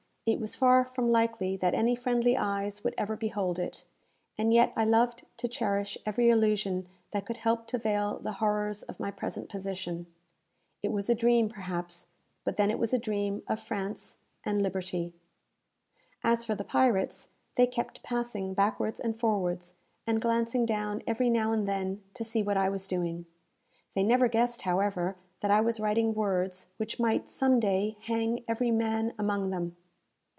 it was far from likely that any friendly eyes would ever behold it; and yet I loved to cherish every illusion that could help to veil the horrors of my present position. It was a dream, perhaps; but then it was a dream of France, and liberty! As for the pirates, they kept passing backwards and forwards, and glancing down every now and then, to see what I was doing. They never guessed, however, that I was writing words which might, some day, hang every man among them!